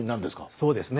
そうですね。